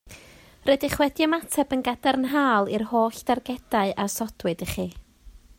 Rydych wedi ymateb yn gadarnhaol i'r holl dargedau a osodwyd i chi